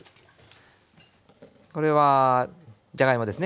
これはじゃがいもですね。